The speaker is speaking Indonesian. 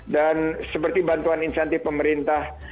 dan seperti bantuan insentif pemerintah